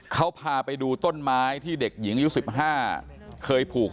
เขาพาไปดูต้นไม้ที่เด็กหญิงอายุ๑๕เคยผูก